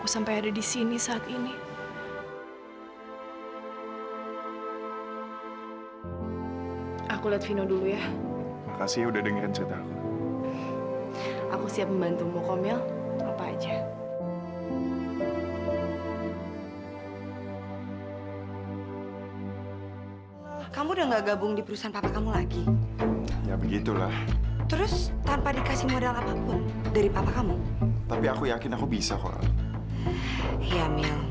sampai jumpa di video selanjutnya